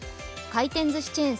回転ずしチェーン